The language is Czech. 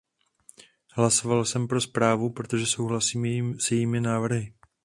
Hlasoval jsem pro zprávu, protože souhlasím s jejími návrhy.